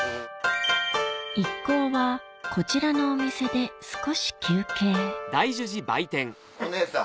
一行はこちらのお店で少し休憩お姉さん。